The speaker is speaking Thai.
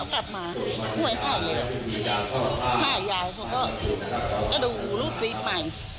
ถ้ายายเขาก็ดูลูตซีฟใหม่